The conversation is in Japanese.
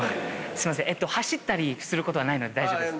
走ったりすることはないので大丈夫です。